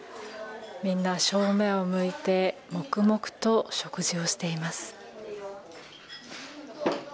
みんな正面を向いて黙々と食事をしています。